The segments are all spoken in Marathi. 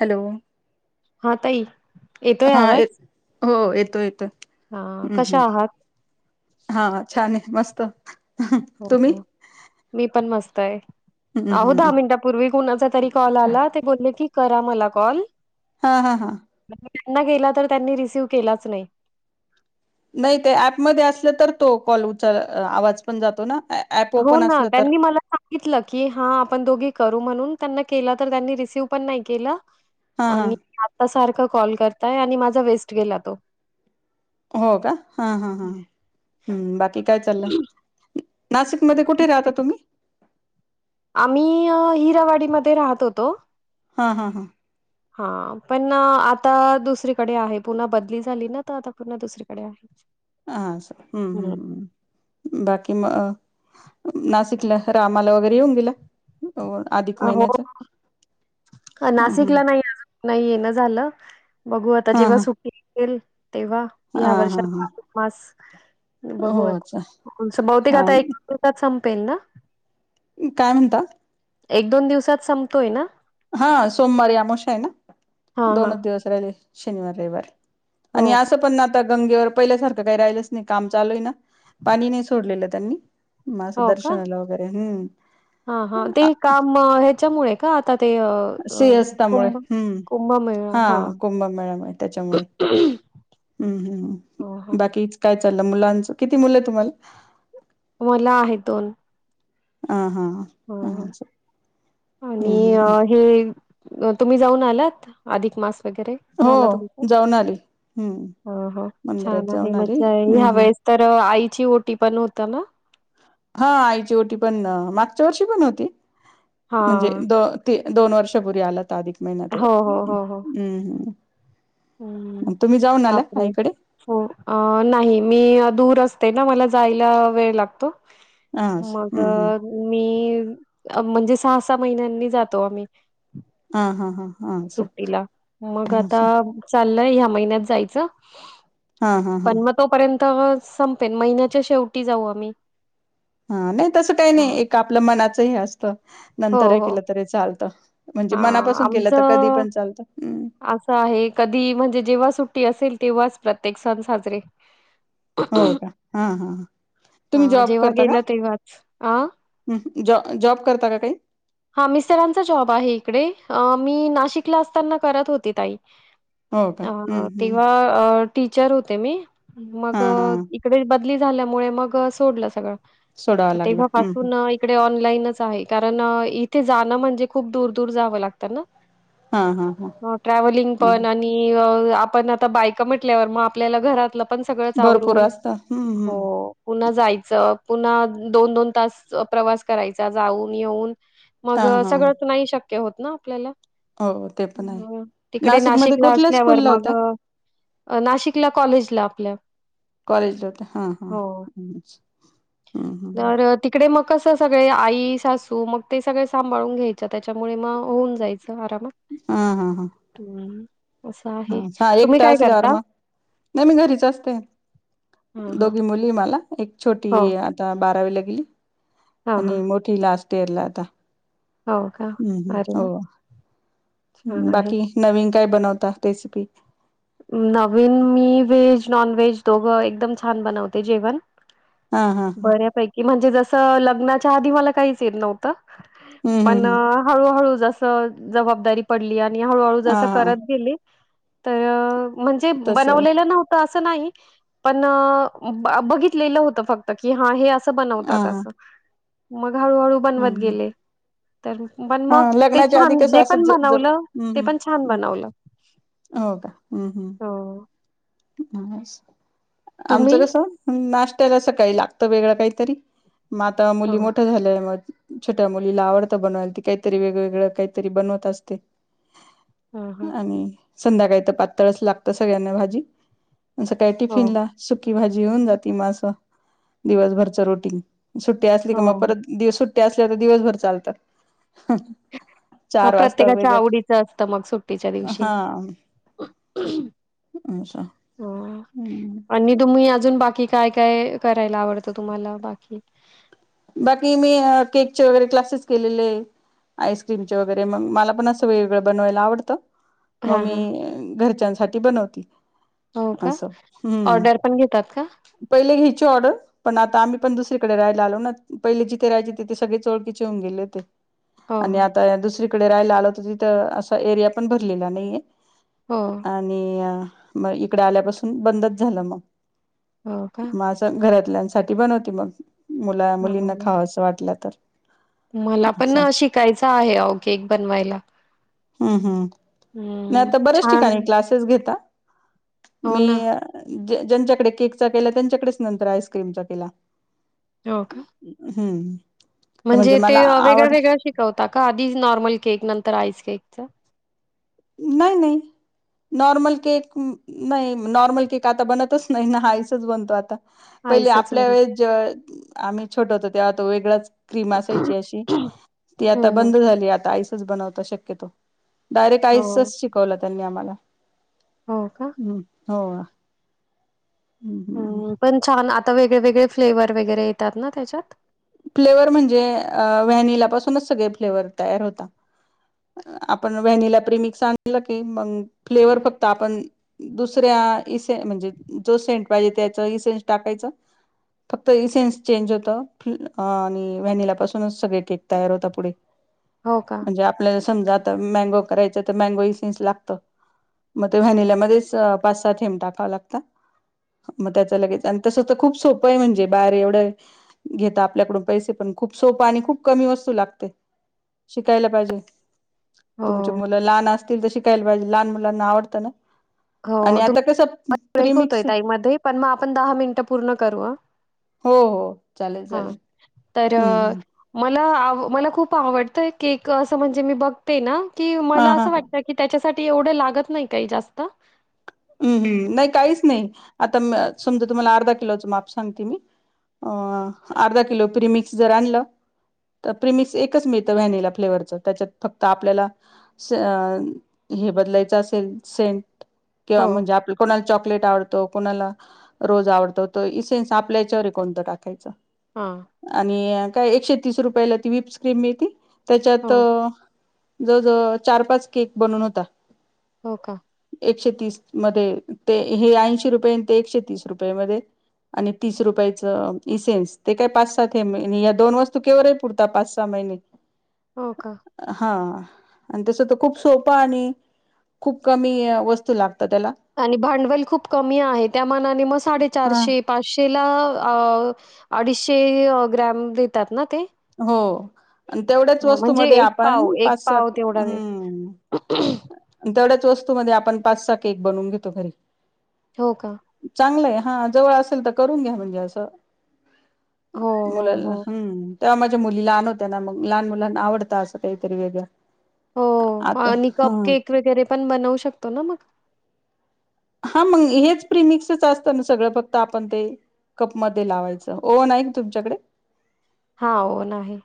हॅलो. हा तई. हा हो येतो येतो हा हम्म कशा हम्म. आहात? हा छान आहे मस्त. हो तुम्ही हो मी पण मस्त आहे. हम्म अहो हम्म दहा मिनिटापूर्वी कुणाचा तरी कॉल आला ते बोलले की करा मला कॉल. हा हा हा त्यांना गेला तर त्यांनी रिसिव केलाच नाही नाही ते ऍपमध्ये असलं तर तो कॉल उच आवाज पण जातो ना ऍप हो ओपन ना असलं तर त्यांनी मला सांगितलं की हा आपण दोघी करू म्हणून त्यां पण नाही के हा हा आ कॉल करताय आणि माझा वेस्ट गेला तो हो का हा हा हा हम्म बाकी काय चाललं नाशिकमध्येध्ये कुठे राहता तुम्ही आम्ही हिरावाडीमध्ये राहत होतो हा हा हा हा पण आता दुसरीकडे आहे पुन्हा बदली झाली ना तर आता पुन्हा दुसरीकडे आहे ह हम्म हम् हम्मम् बाकी म नाशिकला रामाला वगैरे येऊन गेला अधिक हो महिन्याचा हम् हम् नाशिकला नाही अजून नाही येणं झालं. बघू आता जेव्हा सुट्टी असेल तेव्हा हा ह्या हा हा वर्षात्त मास हो अच्छा बघूत बहुतेक हा आता एकात संपेन ना काय म्हणता एक दोन दिवसात संपतोय ना हा सोमवार यामोश आहे ना हां, हां. दोनच दिवस राहिले शनिवार रविवार आणि हो का? असं पण आता गंगेवर पहिल्यासारखं काही राहिलंच नाही काम चालू आहे ना पाणी नाही सोडलेलं त्यांनी माझं हो का? दर्शनाला वगैरे हम् हां, हां. ते काम अ, ह्याच्यामुळे का आता ते अ, अ, स्रीहस्ताामुळे कुंभ हम्म कुंभमेळा हा हां. कुंभमेळामुळे त्याच्यामुळे हम्म हम् हां, हां. बाकीच काय चाललं मुलांच किती मुलं आहे तुम्हाला मला आहे दोन ह हा हा आणि अ ह हे तुम्ही जाऊन आलात अधिक मास हो जाऊन आली हम्म हो हो छान मंदिरात आहे जाऊन आली मज्जा आहे हम्म ह्या हम्म वेळेस तर आई ची ओटी पण होता ना हा आईची ओटी पण मागच्या वर्षी पण होती हा म्हणजे द ते दोन वर्षपूर्री आला तर अधिक महिन्यातवर हो हम्म् प आईकडे हो नाही मी द ना मला जायला वेळ लागतो हा मग हम् हम् मी म्हणजे सहा सहा महिन्यांनी जातो आम्ही हा हा हा हा असं सुट्टीला मग हा आता असं चाललय ह्या महिन्यात जायचं हा हा हा पण मग तोपर्यंत संपेन महिन्याच्या शेवटी जाऊ आम्ही हा नाही तसं काही नाही हां. एक आपलं मनाचं हे असतं हो नंतर हे हो केलं तरी चालतं म्हणजे हा मनापासून केलं तर कधी आमचं पण चालत असं आहे कधी म्हणजे जेव्हा सुट्टी असेल तेव्हाच प्रत्येक सण साजरे हो का हा हा तुम्ही हां, जॉब जेव्हा करता का गेलं तेव्हाच. अ, जॉ जॉब करता का काही हा मिस्टरांचा जॉब आहे इकडे मी नाशिकला असताना करत होते ताई हो का अ हम्म हम् तेव्हा अ टीचर होते मी हा मग हा इकडे बदली झाल्यामुळे मग सोडलं सगळं सोडावा लागला तेव्हा हम् पासून इकडे ऑन आहे कारण इथे जाणं म्हणजे खूप दूर दूर जावं लागतं ना हा हा हा हो ट्रॅव्हलिंग ह पण आणि आपण आ बायक म्हटल्यावर आपल्याला घरात पण सगळंच भरपूर आवरून असतं हम्म हम्म हो पुन्हा जायचं पुन्हा दोन दोन तास प्रवास करायचा जाऊन येऊन मग हा हा सगळंत नाही शक्य होत ना आपल्याला हा, हो ते पण आहे. हा, हा तिकडे नाशिकमध्ये नाशिकला कुठल्या असल्यावर स्कूलला मग होत्या नाशिकला कॉलेजला आपल्या कॉलेजला [unintelligible] हा हा् हो. हम्म हम् तर अ, तिकडे मग कसं सगळे आई सासू मग ते सगळे सांभाळून घ्यायचं त्याच्यामुळे मग होऊन जायचं आस आरामात हा हा हा हम् हा स एकट असल्यावर मग नाही मी घरीच असते. हां, हां. दोघी मुली हे मला एक हो. छोटी आता बारावीला गेली. हां, हां. आणि मोठी लास्ट इयरला आता हो का अरे वा. हम बाकी नवीन काय बनवता [unintelligible] नवीन मी व्हेज नॉन व्हेज दोघं एकदम छान बनवते जेवण हा हा हा बऱ्यापैकी म्हणजे जसं लग्नाच्या आधी मला काहीच येत नव्हतं हम्म हम्म पण हम्म हळूहळू जस जबाबदारी पडली आणि हळूहळू हा जसं हा करत गेली तर म्हणजे तस आहे बनवलेले नव्हत असं असं नाही पण बघितलेलं होत फक्त हे असं हा बनतात हा असं मग हळूहळू हम्म बनवत हम्म. गेले तर पण हा मग ते लग्नाच्या आधी छान कसं जे असं पण ज जब बनवलं ते पण छान बनवलं. होका हम् हम्म हो आस आमचं तुम्ही कसं नाष्ट्याला सकाळी लागतं वेगळं काहीतरी. म आता हो मुली मोठ्या झालेल्या मग छोट्या मुलीला आवडत बनवायला ती काहीतरी वेगवेगळं काहीतरी बनवत असते ह ह आणि संध्याकाळी तर पातळचं लागतं सगळ्यांना भाजी. सकाळी हो टिफिनला सुक्खी भाजी होऊन जाती म आसं दिवसभरच रुटिंग सुट्टी आसली क मग हो परत दिवस सुट्टी असल्यावर दिवसभर चालतं. हा प्रत्येकाच्या आवडीच असतं मग सुट्टीच्या दिवशी अच्छा हुं आणि तुम्ही आजू अजून बाकी काय काय करायला आवडत तुम्हाला बाकी बाकी मी केकचे वगैरे क्लासेस केलेले. आईस्क्रीमचे वगैरे मग मला पण असं वेगळं बनवायला आवडतं. मग हां, हां. मी घरच्यांसाठी बनवती. हो का? असं हम्म ऑर्डर पण घेतात का? पहिले [unintelligible] ची ऑर्डर पण आता आम्ही पण दुसरीकडे राहायला आलो ना पहिले जिथे राहायचे तीथे सगळेच ओळखीचे होऊन गेले होते हो, आणि हो. आता दुसरी इकडे राहयला आलो होतो तिथं अस एरिया पण भरलेला नाहीये हो, आणि म इकड आल्यापासून बंदच झालं मग हो का? माझं घरात साठी बनवते मग मुला मुलींना हां. खाव असं वाटलं तर मला पण अच्छा. शिकायचं आहे अहो केक बनवायला हुं हुं मी हं, आता बऱ्याच छान. ठिकाणी क्लासेस घे [unintelligible] हो मी ना. ज्यांच्याकडे केक चा केला त्यांच्याकडेच नंतर आईस्क्रीमचा केला हो का हम्. म्हणजे ते वेगळ्या वेगळ्या शिकवता का आधी नॉर्मल केक नंतर आईस [unintelligible] नाही नाही नॉर्मल केक नाही नॉर्मल केक आता बनतच नाही ना आईसच बनतो आता. पहिले आईसच आपल्या वरी. वेळेस जे आम्ही छोट होतो तेव्हा तो वेगळाच क्रीम असायची अशी हं, ती आता हं. बंद झाली आता आईसच बनवता शक्यतो. डायरेक्ट हो, आईसचाच शिकवला त्यांनी आम्हांला हो का? हो... ता वेगळे वेगळे फ्लेवर वगैरे येतात ना त्याच्यात? फ्लेवर म्हणजे व्हॅनिला पासूनच सगळे फ्लेवर तयार होता. आपण व्हॅनिला प्रमिक्स आणलं कि मंग फ्लेवर फक्त आपण दुसर्‍या हा इसेन्स म्हणजे जो सेंट पाहीजे त्याच इसेंन्स् टाकायचं. फक्त इसेन्स चेंज होतं. ह आणि व्हॅनिला पासूनच सगळे केक तयार होता पुढे हो का? म्हणजे आपल्या समजा आता मँगो करायचं तर मँगो इसेंन्स लागतं. मग ते व्हॅनिलमध्येच पाच सात थेंब टाकावं लागतात. मग त्याच लगेच आणि तस तर खूप सोपंय म्हणजे बाहेर एवढं घेता. आपल्याकडून पैसे पण खूप सोपा आणि खूप कमी वस्तू लागते शिकायला पाहिजे. हो, तुमचे मुलं लहान असतील तर शिकायला पाहिजे लहान मुलांना आवडतं ना आणि आता कसं वाज ब्रेक होतोय प्रिमिक्स ताईमध्ये पण मग आपण दहा मिनिटं पूर्ण करू हा. हो हो चालेल चालेल तर हम् अ, हम् मला खूप आवडतय केक अस म्हणजे मी बघते ना की मला हा हा असं वाटत त्याच्या साठी एवढं लागत नाही काही जास्तं हम्म हम्म नाही काहीच नाही आता समजा तुम्हाला अर्धा किलोचं माप सांगते मी. अ अर्धा किलो प्रीमिक्स जर आनल... तर प्रिमिक्स एकच मिळतं व्हॅनिला फ्लेवरच त्याच्यात फक्त आपल्याला- [unintelligible] हे बदलायचं असेल सेंट किंवा हो म्हणजे आपल कोणाला चॉक चॉकलेट आवडतो, कोणाला रोज आवडतो, त इसेंन्स आपल्या याच्यावर कोणतं टाकायचा. हां आणि काय एकशे तीस रुपयाला ती विप्स क्रीम मिळती. त्याच्यात हो जवळ जवळ चार पाच केक बनून होता. हो का. एकशे तीस मधे हे ऐंशी रुपये ते एकशे तीस रुपये मधे आणि तीस रुपयाचं इसेंन्स ते काय पाच सहा थेंब या दोन वस्तू केवरही पुरता पाच सहा महि हो का [unintelligible] हा. आणि तस तर खूप सोपं आणि खूप कमी वस्तू.. त्याला आणि भांडवल खूप कमी आहे. त्या मनाने मं साडे हा चारशे पाचशे ला अडीचशे ग्रॅम देतात ना ते? हो.. तेवढ्याच हां, वस्तू म्हणजे मध्ये एक पाव आपण एक पाच पाव सात तेवढा देत हम् तेवढ्यात वस्तू मध्ये आपण पाचसा केक बनून घेतो घरी हो का? चांगलंय हा जवळ असेल तर करून घ्या म्हणजे असं हो हो मुलाला हो हम्म.. तेव्हा माझ्या मुली लहान होत्या ना मग लहान मुलांना आवडत असं काहीतरी वेगळं-.. हो आता आणि कप ह केक वगैरे पण बनवू शकतो ना मग? हा मग हेच प्रिमिक्सच असतं ना सगळं फक्त आपण ते कप मध्ये लावायचं. ओव्हन आहे का तुमच्याकडे? हा ओव्हन आहे.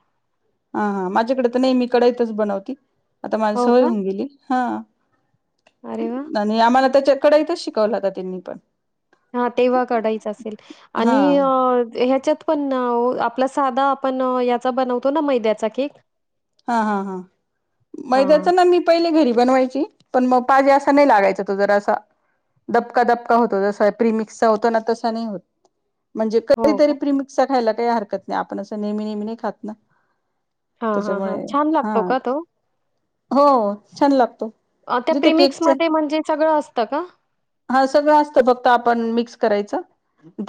हा हा माझ्याकडे तर नाही मी कडईतच बनवती आता माझी हो सवय का? होऊन गेली हा. अरे वाह! आणि आम्हाला त्याच्या कढईतच शिकवला होता त्यांनी पण.. हा तेव्हा कढईच असेल हा आणि ह्याच्यात पण आपला साधा आपण याचा बनवतो ना मैद्याचा केक? हा हा हा हां. मैद्याचा ना मी पहिले घरी बनवायची पण मग पाहिजे असा नाही लागायचा तो जरा असा दबका दबका होतो जसा प्रिमिक्सचा होतो ना तसा नाही होत. म्हणजे हो कधीतरी का? प्रीमिक्स चा खायला काही हरकत नाही आपण असं नेहमी, नेहमी नाही खात ना. हां, हां, त्याच्यामुळे हां. छान हा. लागतो का तो? हो छान लागतो अ, त्या जिथे केकच प्रिमिक्समध्ये म्हणजे सगळं असतं का? हा सगळं असत फक्त आप मिक्स करायचं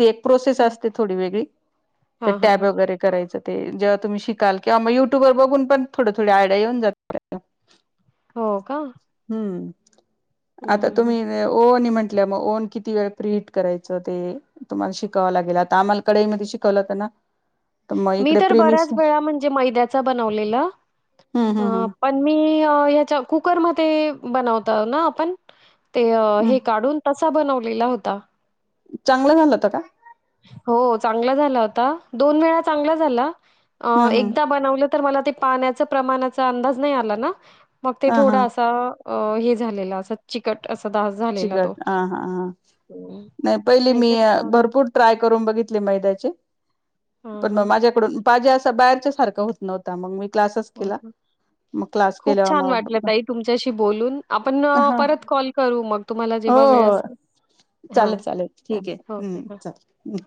एक प्रोसेस हां, असते, थोडी वेगळी तर हां, हां, टॅब हां. वगैरे करायचं. ते जेव्हा तुम्ही शिकाल किंवा मग युट्युबर बघून पण थोड थोड आयडिया येऊन जातं. हो का. ह् हं, आता हं, तुम्ही हं. ओहन म्हण. म्हट मग ओव्हन किती वेळ प्रि हिट करायचं ते तुम्हाला शिकावं लागेल आता आम्हाला कढईमध्ये शिकवलं होतं ना. तर मग मी इकडे तर प्रेमिक्स बऱ्याच वेळा म्हणजे मैद्याचा बनवलेलं. हम्म हम्म अ हम्म पण मी हाच्या कुकर मध्ये ते बनवत ना आपण ते हम्म हे काढून तसा बनवलेला होता. चांगलं झालं होत का? हो चांगला झाला होता दोन वेळा चांगला झाला हम्म हम्म एकदा बनवलं तर मला ते पाण्याचा प्रमाणाचा अंदाज नाही आला ना मग ते हा हा थोडा असा अ हे झालेलं अस चिकट असा डास झालेला तो. चिकट हा हा हां हं, नाही पहिली मी नाहीतर छान भरपूर ट्राय करून बघितला मैद्याचे हां, पण हां, माझ्याकडून पाणी बाहेरच्या सारखा होत नव्हता मग मी क्लासच हां, केला हां. ‌. खूप छान वाटलं ताई तुमच्याशी बोलून आपण हा परत कॉल करू मग. तुम्हाला हो जेव्हा वेळ हो असेल ह चालेल चालेल ठीक आहे के हम्म हो. चालेल.